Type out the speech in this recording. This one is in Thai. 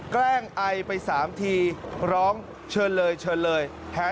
แกล้งไอไป๓ทีร้องเชิญเลยเชิญเลย